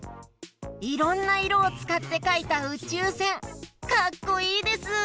いろんないろをつかってかいたうちゅうせんかっこいいです！